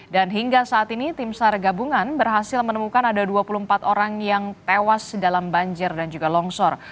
dan hingga saat ini timsar gabungan berhasil menemukan ada dua puluh empat orang yang tewas dalam banjir dan juga longsor